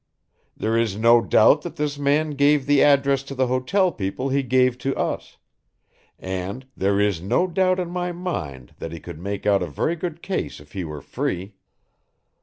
There is no doubt that this man gave the address to the hotel people he gave to us, and there is no doubt in my mind that he could make out a very good case if he were free.